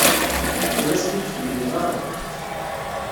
Ur as-t-id-temliḍ ara.